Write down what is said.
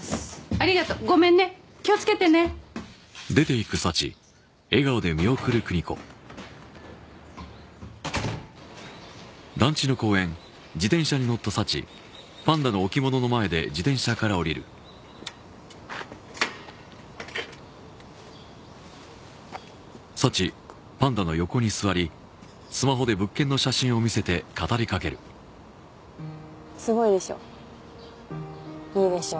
ありがとうごめんね気をつけてねすごいでしょいいでしょ